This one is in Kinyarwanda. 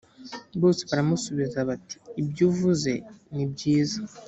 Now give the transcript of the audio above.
bose baramusubiza bati ibyo uvuze ni byiza